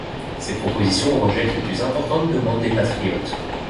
Ces propositions rejettent les plus importantes demandes des patriotes.